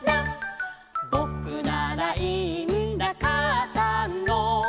「ぼくならいいんだかあさんの」